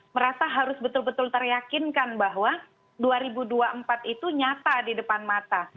merasa harus betul betul teryakinkan bahwa dua ribu dua puluh empat itu nyata di depan mata